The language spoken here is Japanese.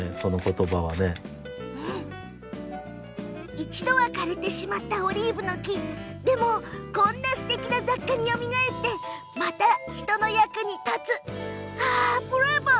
一度は枯れてしまったオリーブの木がこんなすてきな雑貨によみがえってまた人の役に立つはあ、ブラボー！